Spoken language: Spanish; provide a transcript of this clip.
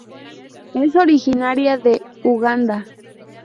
Es originaria de Uganda.